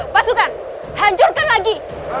pasukan hancurkan lagi